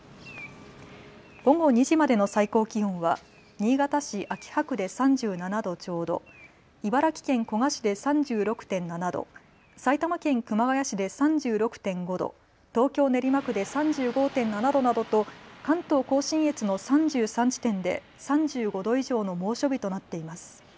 午後２時までの最高気温は新潟市秋葉区で３７度ちょうど、茨城県古河市で３６．７度、埼玉県熊谷市で３６．５度、東京練馬区で３５．７度などと関東甲信越の３３地点で３５度以上の猛暑日となっています。